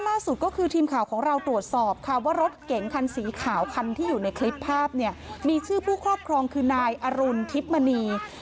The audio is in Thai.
แล้วทำไมพี่ยังปล่อยให้เขาไป